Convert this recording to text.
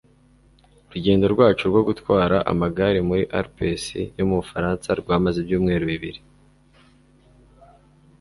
urugendo rwacu rwo gutwara amagare muri alpes yo mu bufaransa rwamaze ibyumweru bibiri